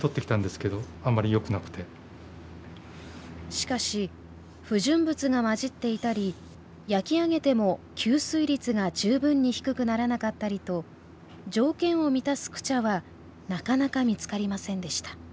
しかし不純物が混じっていたり焼き上げても吸水率が十分に低くならなかったりと条件を満たすクチャはなかなか見つかりませんでした